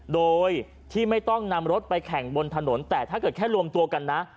โดยที่ไม่ต้องนำรถไปแข่งบนถนนแต่ถ้าเกิดแค่รวมตัวกันนะ